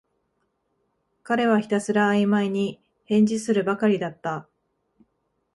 彼はひたすらあいまいに返事するばかりだった